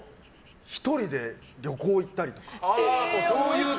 １人で旅行行ったりとか。